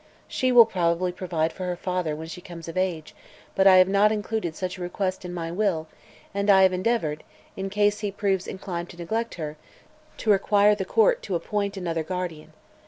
She will probably provide for her father when she comes of age, but I have not included such a request in my will and I have endeavored, in case he proves inclined to neglect her, to require the court to appoint another guardian.